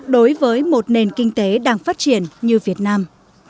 đối với một nền kinh tế đang phát triển như việt nam